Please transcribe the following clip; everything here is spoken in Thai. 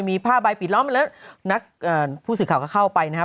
มีผ้าใบปิดล้อมมาแล้วนักผู้สื่อข่าวก็เข้าไปนะครับ